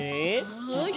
はい。